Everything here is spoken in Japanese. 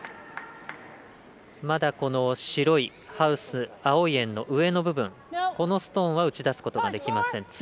まだこの白いハウス青い円の上の部分このストーンは打ち出すことができません。